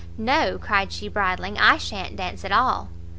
"No," cried she, bridling, "I sha'n't dance at all."